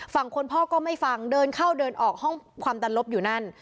ฝั่งคนพ่อก็ไม่ฟังเดินเข้าเดินออกห้องความดันลบอยู่นั่น